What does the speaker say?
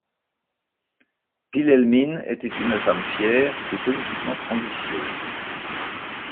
Wilhelmine était une femme fière et politiquement ambitieuse.